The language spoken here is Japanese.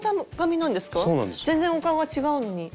全然お顔が違うのに。